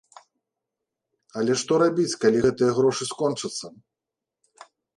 Але што рабіць, калі гэтыя грошы скончацца?